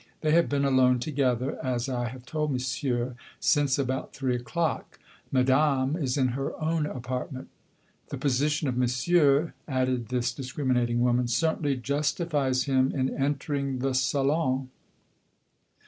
They have been alone together, as I have told Monsieur, since about three o'clock. Madame is in her own apartment. The position of Monsieur," added this discriminating woman, "certainly justifies him in entering the salon."